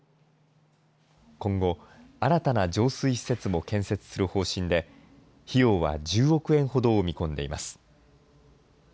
今後、新たな浄水施設も建設する方針で、費用は１０億円ほどを見込んでいます。